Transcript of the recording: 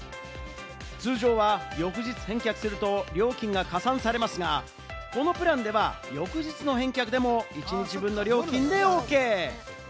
通常は翌日返却すると料金が加算されますが、このプランでは翌日の返却でも一日分の料金でＯＫ。